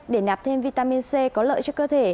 để nạp thêm vitamin c có lợi cho cơ thể